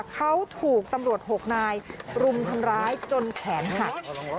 เขาถูกตำรวจ๖นายรุมทำร้ายจนแขนหัก